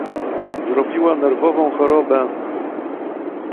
"Zrobiła nerwową chorobę!..."